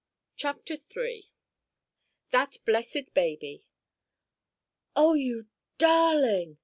CHAPTER III—THAT BLESSED BABY! "Oh, you darling!"